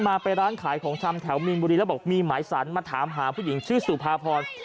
มาไปร้านขายของชำแถวมีนบุรีแล้วบอกมีหมายสรรมาถามหาผู้หญิงชื่อสุภาพร